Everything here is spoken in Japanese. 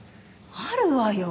あるわよ。